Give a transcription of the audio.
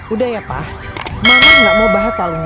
udah ya pak mama nggak mau bahas soal ini